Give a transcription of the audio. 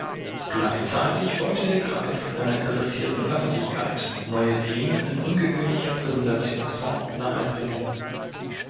Gleichzeitig wollte der Kreis einer interessierten Öffentlichkeit neue Themen in ungewöhnlicher Präsentationsform nahebringen.